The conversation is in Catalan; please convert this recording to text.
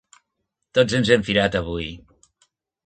Tots ens hem firat, avui!